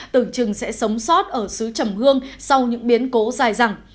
tưởng chừng sẽ sống sót ở xứ trầm hương sau những biến cố dài dẳng